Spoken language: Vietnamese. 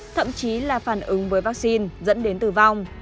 thậm chí là phản ứng với vaccine dẫn đến tử vong